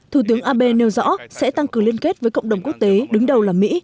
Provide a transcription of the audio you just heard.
thủ tướng abe nêu rõ sẽ tăng cường liên kết với cộng đồng quốc tế đứng đầu là mỹ